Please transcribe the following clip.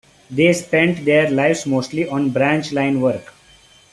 They spent their lives mostly on branch line work.